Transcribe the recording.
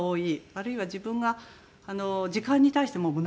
あるいは自分が時間に対しても物が多すぎる。